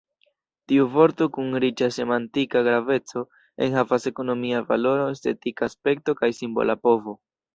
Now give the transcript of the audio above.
Tiu vorto, kun riĉa semantika graveco, enhavas ekonomia valoro, estetika aspekto kaj simbola povo.